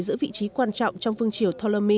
giữ vị trí quan trọng trong vương chiều ptolemy